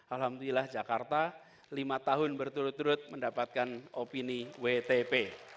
alhamdulillah jakarta lima tahun berturut turut mendapatkan opini wtp